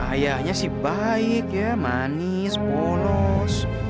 ayahnya sih baik ya manis polus